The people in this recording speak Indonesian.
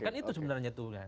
kan itu sebenarnya tuh